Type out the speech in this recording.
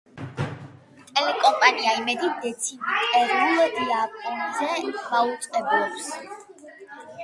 ტელეკომპანია იმედი დეციმეტრულ დიაპაზონზე მაუწყებლობს.